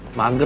mak mau dong